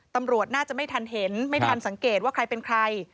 ตำรวจน่าจะไม่ทันเห็นไม่ทันสังเกตว่าใครเป็นใคร